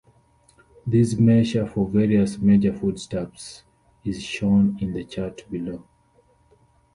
This measure for various major foodstuffs is shown in the chart below.